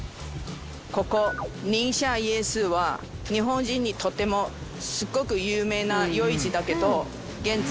ここ寧夏夜市は日本人にとてもすごく有名な夜市だけど現在